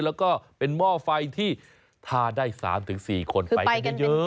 แล้วก็เป็นหม้อไฟที่ถ้าได้๓๔คนไปกันเยอะคือไปกันเป็นแก๊งเลย